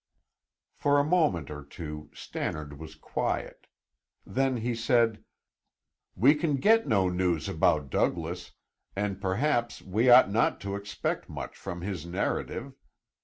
For a moment or two Stannard was quiet. Then he said, "We can get no news about Douglas, and perhaps we ought not to expect much from his narrative.